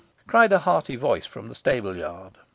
cried a hearty voice from the stableyard.